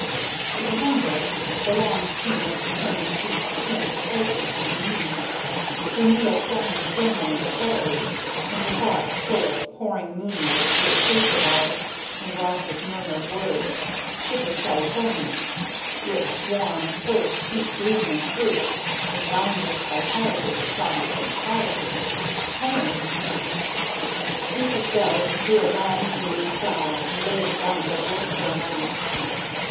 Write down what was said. To the younger, the long seam of the turned sheet pinned tightly to her knee, her needle flying firmly and steadily, and her thoughts full of pouring moonlight through acacia boughs and Ross's murmured words, it was California rich, warm, full of sweet bloom and fruit, of boundless vitality, promise, and power home! Mrs. Bell drew a long weary sigh, and laid down her work for a moment.